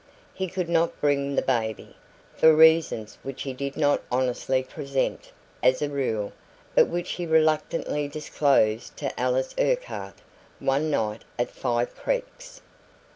He could not bring the baby, for reasons which he did not honestly present, as a rule, but which he reluctantly disclosed to Alice Urquhart one night at Five Creeks.